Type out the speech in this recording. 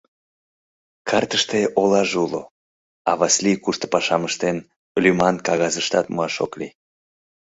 Картыште олаже уло, а Васлий кушто пашам ыштен — лӱман кагазыштат муаш ок лий.